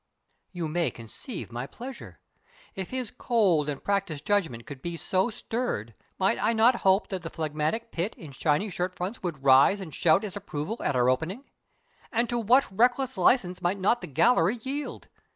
You may conceive my pleasure. If his cold and practiced judgment could be so stirred, might I not hope that the phlegmatic pit in shiny shirt fronts would rise and shout its approval at our opening? And to what reckless license might not the gallery yield?